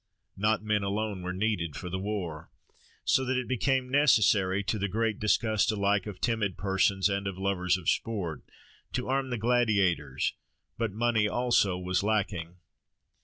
Not men alone were needed for the war, so that it became necessary, to the great disgust alike of timid persons and of the lovers of sport, to arm the gladiators, but money also was lacking.